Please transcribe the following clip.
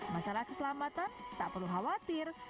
masalah keselamatan tak perlu khawatir